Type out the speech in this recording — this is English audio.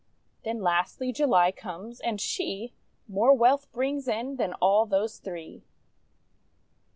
Then, lastly, July comes, and she More wealth brings in than all those three.